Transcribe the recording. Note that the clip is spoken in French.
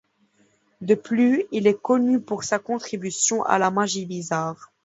De plus, il est connu pour sa contribution à la magie bizarre.